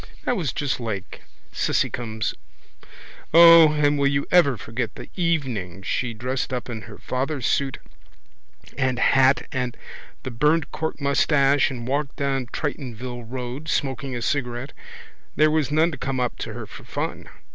That was just like Cissycums. O, and will you ever forget her the evening she dressed up in her father's suit and hat and the burned cork moustache and walked down Tritonville road, smoking a cigarette. There was none to come up to her for fun.